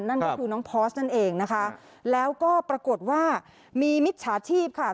นั่นก็คือน้องพอร์สนั่นเองนะคะแล้วก็ปรากฏว่ามีมิจฉาชีพค่ะ